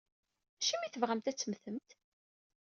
Acimi i tebɣamt ad temmtemt?